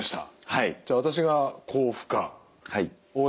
はい。